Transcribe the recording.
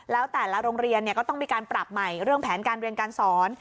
แล้วแต่ละโรงเรียนก็ต้องมีการปรับใหม่เรื่องแผนการเรียนการสอน